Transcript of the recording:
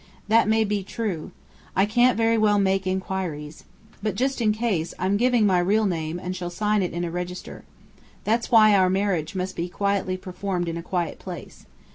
That may be true. I can't very well make inquiries. But just in case, I'm giving my real name and shall sign it in a register. That's why our marriage must be quietly performed in a quiet place.